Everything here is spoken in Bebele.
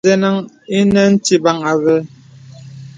Nzāl zənəŋ ìnə tibaŋ àvé.